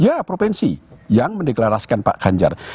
dia provinsi yang mendeklarasikan pak ganjar